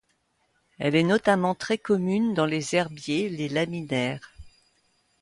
Elle est notamment très commune dans les herbiers, les laminaires.